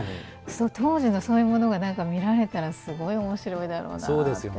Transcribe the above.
その当時のそういうものが見られたらすごいおもしろいだろうなと。